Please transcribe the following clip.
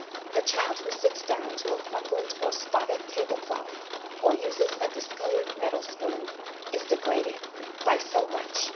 The child who sits down to a crumpled or spotted table cloth, or uses a discoloured metal spoon, is degraded by so much.